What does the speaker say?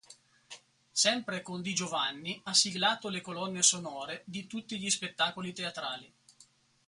Sempre con Di Giovanni ha siglato le colonne sonore di tutti gli spettacoli teatrali.